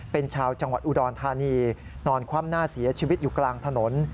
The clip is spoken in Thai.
เป็นชาวจังหวัดอุดรธานีนอนคว่ำหน้าเสียชีวิตอยู่กลางถนน